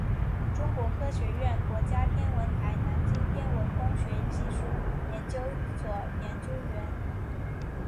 中国科学院国家天文台南京天文光学技术研究所研究员。